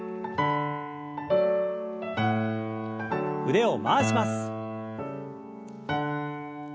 腕を回します。